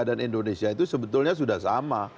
dan indonesia itu sebetulnya sudah sama